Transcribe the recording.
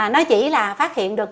nó chỉ là phát hiện được